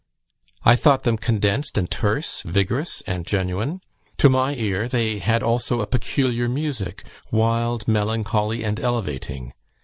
I thought them condensed and terse, vigorous and genuine. To my ear they had also a peculiar music, wild, melancholy, and elevating.